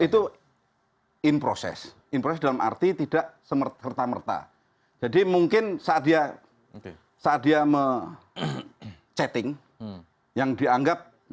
tokok nomor tertentu lah ya